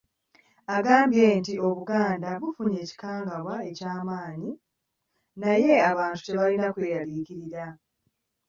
Agambye nti Obuganda bufunye ekikangabwa eky'amaanyi, naye abantu tebalina kweraliikirira.